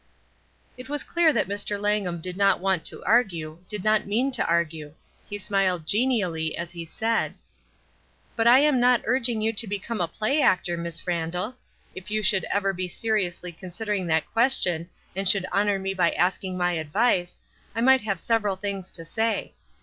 It was clear that Mr. Langham did not want to argue, did not mean to argue. He smiled genially as he said: —'' But I am not urging you to become a play actor, Miss Randall. If you should ever be seriously considering that question and should honor me by asking my advice, I might have several things to say.